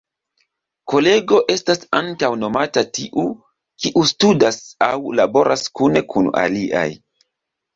Kolego estas ankaŭ nomata tiu, kiu studas aŭ laboras kune kun aliaj.